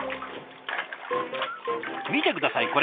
見て下さいこれ。